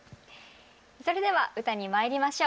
それでは歌にまいりましょう。